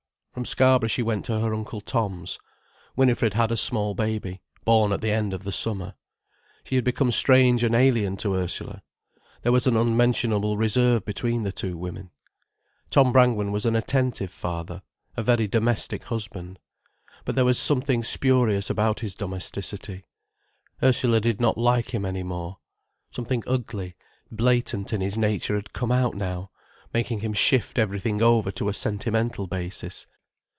From Scarborough she went to her Uncle Tom's. Winifred had a small baby, born at the end of the summer. She had become strange and alien to Ursula. There was an unmentionable reserve between the two women. Tom Brangwen was an attentive father, a very domestic husband. But there was something spurious about his domesticity, Ursula did not like him any more. Something ugly, blatant in his nature had come out now, making him shift everything over to a sentimental basis.